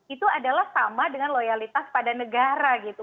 itu adalah sama dengan loyalitas pada negara gitu